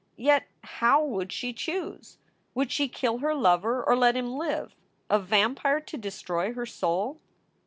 Yet how would she choose? Would she kill her lover or let him live, a vampire to destroy her soul